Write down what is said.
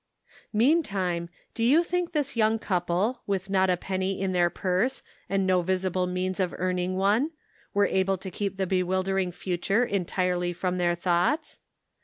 Meantime, do you think this young couple, with not a penny in their purse, and no visible means of earning one, were able to keep the bewildering future entirely from their thoughts